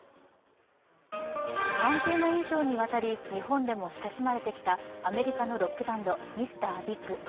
３０年以上にわたり日本でも親しまれてきたアメリカのロックバンド・ＭＲ．ＢＩＧ。